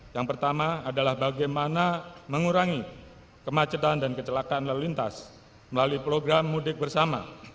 yang pertama adalah bagaimana mengurangi kemacetan dan kecelakaan lalu lintas melalui program mudik bersama